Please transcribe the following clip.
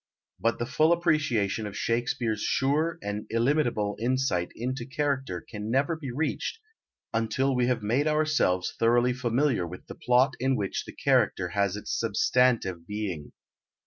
But the full appreciation of Shakespeare's sure and illimitable insight into character can never be reached until we have made ourselves thoroughly familiar with the plot in which the character has its substantive being.